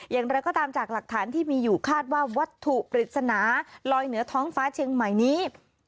อย่างไรก็ตามจากหลักฐานที่มีอยู่คาดว่าวัตถุปริศนาลอยเหนือท้องฟ้าเชียงใหม่นี้